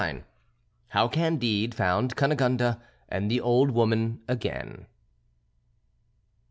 XXIX HOW CANDIDE FOUND CUNEGONDE AND THE OLD WOMAN AGAIN.